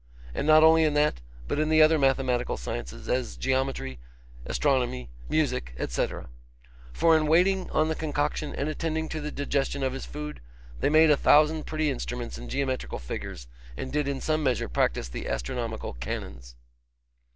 And not only in that, but in the other mathematical sciences, as geometry, astronomy, music, &c. For in waiting on the concoction and attending the digestion of his food, they made a thousand pretty instruments and geometrical figures, and did in some measure practise the astronomical canons.